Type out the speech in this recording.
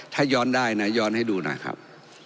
ถ้าย้อนได้นะย้อนให้ดูหน่อยครับ